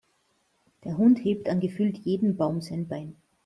Der Hund hebt an gefühlt jedem Baum sein Bein.